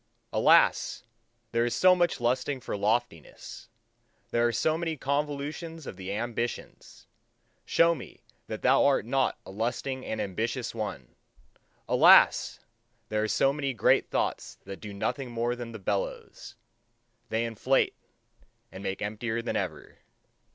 Alas! there is so much lusting for loftiness! There are so many convulsions of the ambitions! Show me that thou art not a lusting and ambitious one! Alas! there are so many great thoughts that do nothing more than the bellows: they inflate, and make emptier than ever.